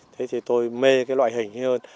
thế thì tôi mê cái loại hình hơn